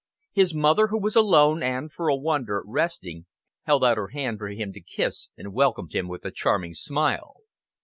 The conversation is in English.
His mother, who was alone and, for a wonder, resting, held out her hand for him to kiss and welcomed him with a charming smile.